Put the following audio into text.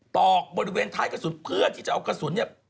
ตอกบริเวณท้ายกระสุนเพื่อที่จะเอากระสุนเนี่ย